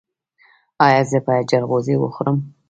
ایا زه باید جلغوزي وخورم؟